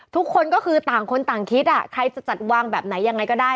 ทุกคนก็คือต่างคนต่างคิดใครจะจัดวางแบบไหนยังไงก็ได้